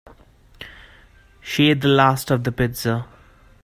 She ate the last of the pizza